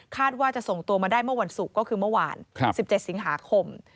ว่าจะส่งตัวมาได้เมื่อวันศุกร์ก็คือเมื่อวาน๑๗สิงหาคม